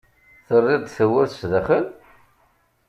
Terriḍ-d tawwurt sdaxel.